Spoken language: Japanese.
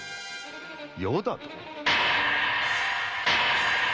「余」だと？